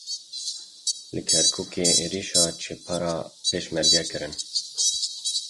Li Kerkûkê êrişî çepera Pêşmerge kirin.